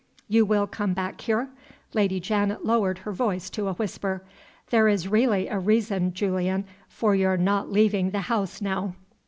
"You will come back here?" (Lady Janet lowered her voice to a whisper.) "There is really a reason, Julian, for your not leaving the house now."